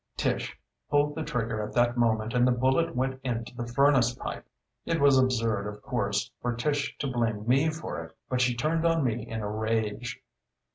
Tish pulled the trigger at that moment and the bullet went into the furnace pipe. It was absurd, of course, for Tish to blame me for it, but she turned on me in a rage.